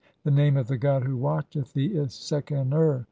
"The name of the god who watcheth thee is Sekhen ur.